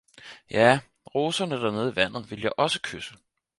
Ja, roserne dernede i vandet ville jeg også kysse